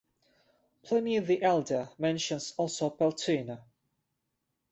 Pliny the Elder mentions also Peltuina.